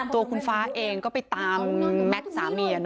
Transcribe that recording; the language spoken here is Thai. ตัวคุณฟ้าเองก็ไปตามแม็กซ์สามี